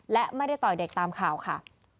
และไม่ได้ต่อยเด็กตามข่าวค่ะ